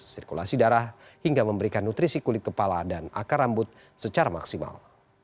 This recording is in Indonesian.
sirkulasi darah hingga memberikan nutrisi kulit kepala dan akar rambut secara maksimal